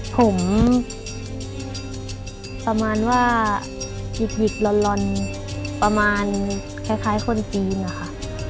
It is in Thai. ผมประมาณว่าหยิกลอนประมาณคล้ายคนจีนนะคะ